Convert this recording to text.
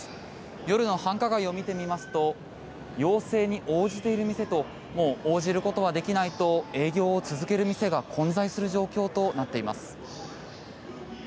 夜の繁華街を見てみますと要請に応じている店ともう応じることはできないと営業を続ける店が混在する状況となっています。